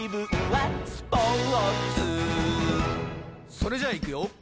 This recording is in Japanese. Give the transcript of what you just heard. それじゃいくよ